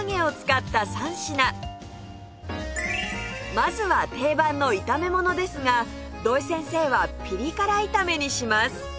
まずは定番の炒めものですが土井先生はピリ辛炒めにします